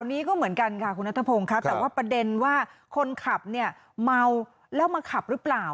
อันนี้ก็เหมือนกันค่ะคุณนัทพงศ์ครับแต่ว่าประเด็นว่าคนขับเนี่ยเมาแล้วมาขับหรือเปล่า